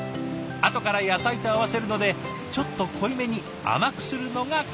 後から野菜と合わせるのでちょっと濃いめに甘くするのが金井さん流。